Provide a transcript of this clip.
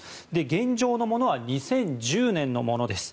現状のものは２０１０年のものです。